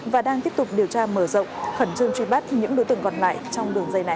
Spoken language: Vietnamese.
và đang tiếp tục điều tra mở rộng khẩn trương truy bắt những đối tượng còn lại trong đường dây này